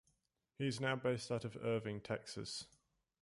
He is now based out of Irving, Texas.